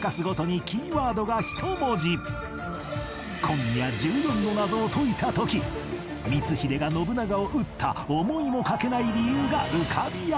今夜１４の謎を解いた時光秀が信長を討った思いもかけない理由が浮かび上がる